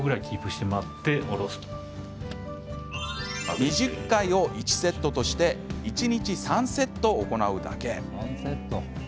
２０回を１セットとして１日３セット行うだけ。